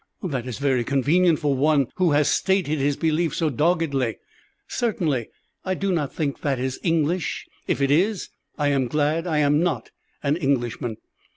"That is very convenient for one who has stated his beliefs so doggedly. Certainly I do not think that is English; if it is, I am glad I am not an Englishman."